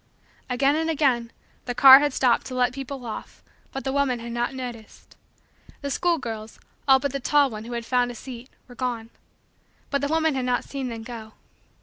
Again and again, the car had stopped to let people off but the woman had not noticed. The schoolgirls, all but the tall one who had found a seat, were gone. But the woman had not seen them go.